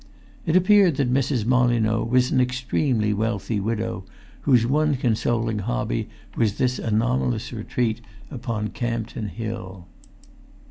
It appeared that Mrs. Molyneux was an extremely wealthy widow, whose one consoling hobby was this anomalous retreat upon Campden Hill.